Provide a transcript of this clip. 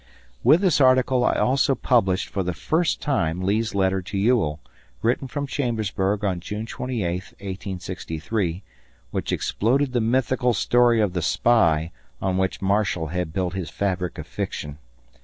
With this article I also published for the first time Lee's letter to Ewell written from Chambersburg on June 28th, 1863 which exploded the mythical story of the spy on which Marshall had built his fabric of fiction.